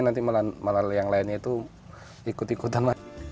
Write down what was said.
nanti malah yang lainnya itu ikut ikutan